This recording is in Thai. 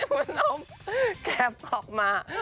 คุณโดมแก๊บคล็อกมา